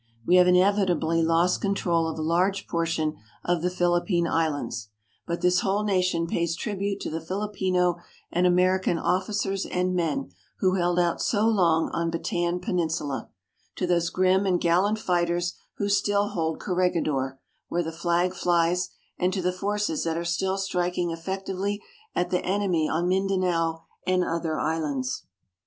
We have inevitably lost control of a large portion of the Philippine Islands. But this whole nation pays tribute to the Filipino and American officers and men who held out so long on Bataan Peninsula, to those grim and gallant fighters who still hold Corregidor, where the flag flies, and to the forces that are still striking effectively at the enemy on Mindanao and other islands.